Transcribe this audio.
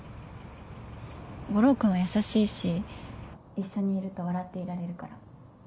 悟郎君は優しいし一緒にいると笑っていられるから。